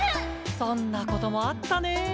そんな事もあったね。